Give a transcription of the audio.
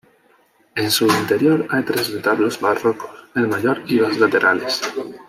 En su interior hay tres retablos barrocos, el mayor y dos laterales.